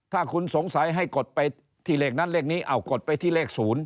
ถ้าคุณสงสัยให้กดไปที่เลขนั้นเลขนี้เอากดไปที่เลข๐